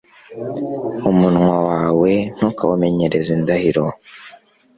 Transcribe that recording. umunwa wawe, ntukawumenyereze indahiro